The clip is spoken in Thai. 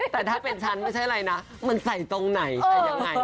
แต่ถ้าเป็นฉันไม่ใช่อะไรนะมันใส่ตรงไหนใส่ยังไง